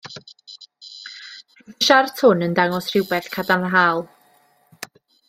Roedd y siart hwn yn dangos rhywbeth cadarnhaol.